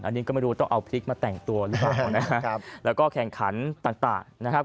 อันนี้ก็ไม่รู้ต้องเอาพริกมาแต่งตัวแล้วก็แข่งขันต่างนะครับ